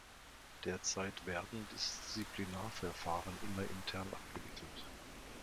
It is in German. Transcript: Derzeit werden Disziplinarverfahren immer intern abgewickelt.